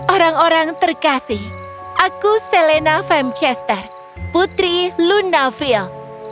orang orang terkasih aku selena femchester putri lunafil